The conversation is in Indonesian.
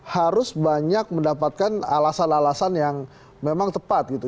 harus banyak mendapatkan alasan alasan yang memang tepat gitu